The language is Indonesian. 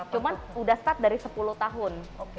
cuma udah start dari sepuluh tahun